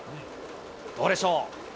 どうでしょう。